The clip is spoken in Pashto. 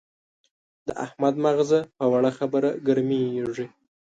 د احمد ماغزه په وړه خبره ګرمېږي.